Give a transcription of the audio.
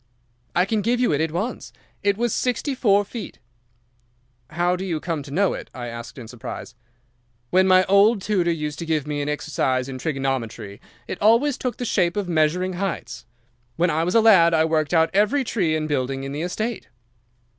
"'I can give you it at once. It was sixty four feet.' "'How do you come to know it?' I asked, in surprise. "'When my old tutor used to give me an exercise in trigonometry, it always took the shape of measuring heights. When I was a lad I worked out every tree and building in the estate.